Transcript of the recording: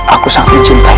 aku sangat mencintaimu